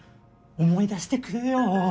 思い出してくれよ！